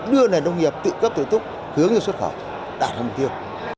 đưa nền nông nghiệp tự cấp tổ chức hướng cho xuất khẩu đạt hành tiêu